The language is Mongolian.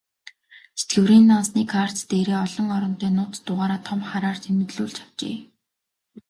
Тэтгэврийн дансны карт дээрээ олон оронтой нууц дугаараа том хараар тэмдэглүүлж авчээ.